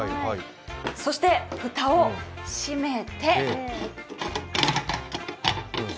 そして蓋を閉めて。